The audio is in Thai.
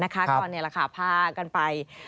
ก่อนนี้พากันไป